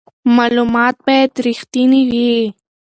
معلومات باید رښتیني وي.